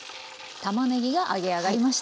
たまねぎが揚げ上がりました。